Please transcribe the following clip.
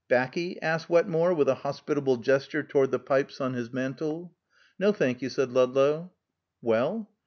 "'Baccy?" asked Wetmore, with a hospitable gesture toward the pipes on his mantel. "No, thank you," said Ludlow. "Well?"